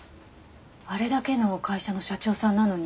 あれだけの会社の社長さんなのに。